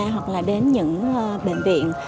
hoặc là đến những bệnh viện